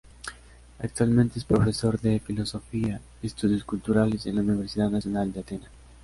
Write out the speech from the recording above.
Actualmente es profesor de filosofía y estudios culturales en la Universidad Nacional de Atenas.